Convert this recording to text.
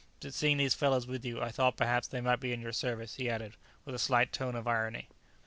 But seeing these fellows with you, I thought perhaps they might be in your service," he added, with a slight tone of irony.